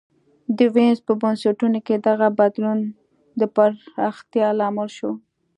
د وینز په بنسټونو کې دغه بدلون د پراختیا لامل شو